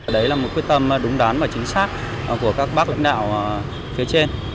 đấy là một quyết tâm đúng đoán và chính xác của các bác lãnh đạo phía trên